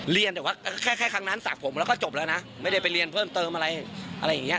เรียนแต่ว่าแค่ครั้งนั้นสระผมแล้วก็จบแล้วนะไม่ได้ไปเรียนเพิ่มเติมอะไรอะไรอย่างนี้